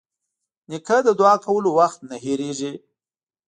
نیکه د دعا کولو وخت نه هېرېږي.